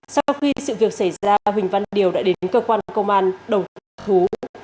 sau khi sự việc xảy ra huỳnh văn điều đã đến cơ quan công an đầu thú